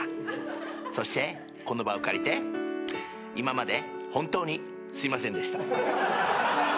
そしてこの場を借りて今まで本当にすいませんでした。